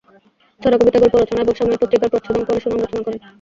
ছড়া-কবিতা-গল্প রচনা এবং সাময়িক পত্রিকার প্রচ্ছদ অঙ্কনে সুনাম অর্জন করেন।